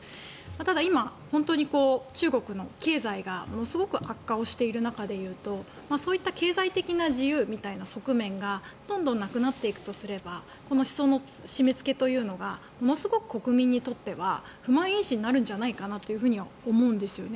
ただ、今本当に中国の経済がものすごく悪化している中でいうとそういった経済的な自由みたいな側面がどんどんなくなっていくとすれば思想の締めつけみたいなものがものすごく国民にとっては不満因子になるのではないかと思うんですね。